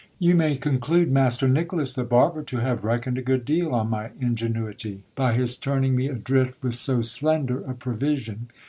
You may conclude master Nicholas, the barber, to have reckoned a good deal on my ingenuity, by his turning me adrift with so slender a provision.